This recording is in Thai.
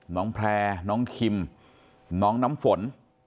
น้องแพร่น้องคิมน้องน้ำฝน